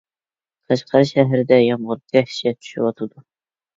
قەشقەر شەھىرىدە يامغۇر دەھشەت چۈشۈۋاتىدۇ.